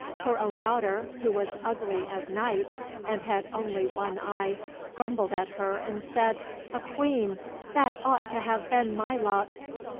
Her own daughter, who was ugly as night, and had only one eye, grumbled at her and said, "A Queen! that ought to have been my luck."